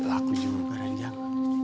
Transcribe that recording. aku jauh ke ranjang